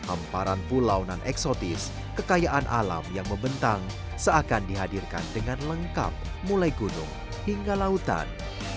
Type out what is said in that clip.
hamparan pulau non eksotis kekayaan alam yang membentang seakan dihadirkan dengan lengkap mulai gunung hingga lautan